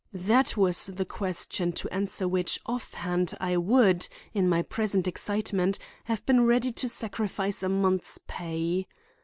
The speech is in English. That was the question, to answer which offhand I would, in my present excitement, have been ready to sacrifice a month's pay.